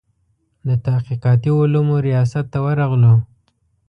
د تحقیقاتي علومو ریاست ته ورغلو.